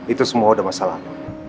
itu semua udah masalah